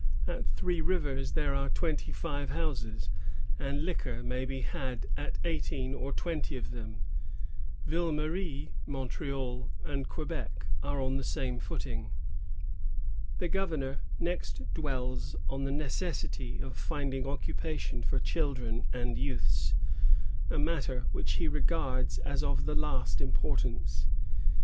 At Three Rivers there are twenty five houses, and liquor may be had at eighteen or twenty of them. Villemarie [Montreal] and Quebec are on the same footing." The governor next dwells on the necessity of find ing occupation for children and youths, — a matter which he regards as of the last importance.